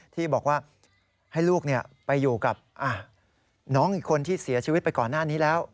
ที่บอกว่าให้ลูกไปอยู่กับน้องอีกคนที่เสียชีวิตไปก่อนหน้านี้แล้ว